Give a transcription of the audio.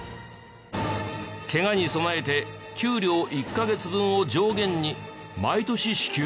ケガに備えて給料１カ月分を上限に毎年支給。